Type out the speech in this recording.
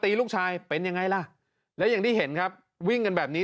ลูกชายเป็นยังไงล่ะแล้วอย่างที่เห็นครับวิ่งกันแบบนี้